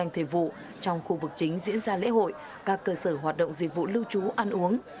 thể vụ trong khu vực chính diễn ra lễ hội các cơ sở hoạt động dịch vụ lưu trú ăn uống